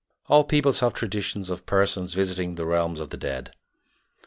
All peoples have traditions of persons visiting the realms of the dead.